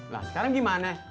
nah sekarang gimana